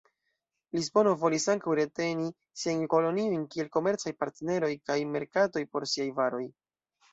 Lisbono volis ankaŭ reteni siajn koloniojn kiel komercaj partneroj kaj merkatoj por siaj varoj.